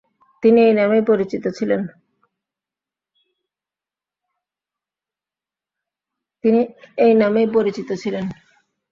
তিনি এই নামেই পরিচিত ছিলেন।